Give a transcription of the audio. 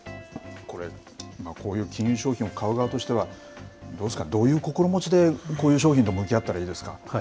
これ、こういう金融商品を買う側としては、どうですか、どういう心持ちでこういう商品と向き合ったらいいですか。